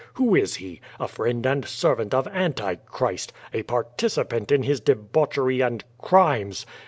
Who is he? A friend and servant of Antichrist, a participant in his de bauchery and crimes.